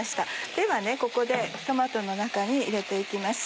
ではここでトマトの中に入れて行きます。